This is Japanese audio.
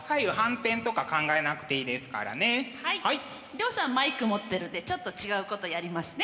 涼さんマイク持ってるんでちょっと違うことやりますね。